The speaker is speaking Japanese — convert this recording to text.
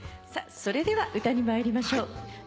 さあそれでは歌に参りましょう。